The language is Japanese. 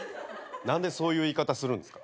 何でそういう言い方するんですか。